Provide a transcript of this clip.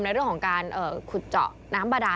ในเรื่องของการขุดเจาะน้ำบาดา